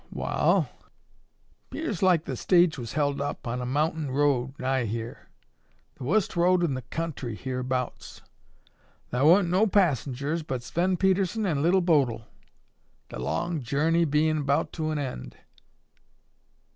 "Wall, 'pears like the stage was held up on a mount'in road nigh here; the wust road in the country hereabouts. Thar wa'n't no passengers but Sven Pedersen an' Little Bodil; the long journey bein' about to an end.